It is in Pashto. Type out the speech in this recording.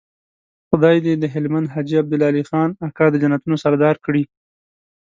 خدای دې د هلمند حاجي عبدالعلي خان اکا د جنتونو سردار کړي.